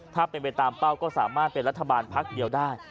ถ้าเป็นไปตามเป้าก็สามารถเป็นรัฐบาลพักเดียวได้